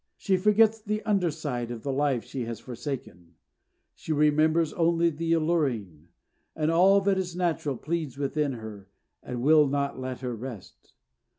She forgets the under side of the life she has forsaken; she remembers only the alluring; and all that is natural pleads within her, and will not let her rest.